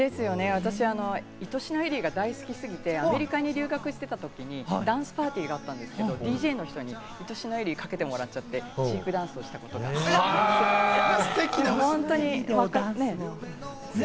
私、『いとしのエリー』が大好きで、アメリカに留学してたときにダンスパーティーがあったんですけれども、ＤＪの人に『いとしのエリー』かけてもらっちゃって、チークダンスを踊ったことがあります。